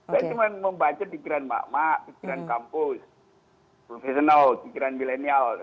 saya cuma membaca pikiran emak emak pikiran kampus profesional pikiran milenial